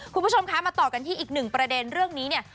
คุณผู้ชมคะมาต่อกันที่อีกหนึ่งประเด็นเรื่องนี้เนี่ย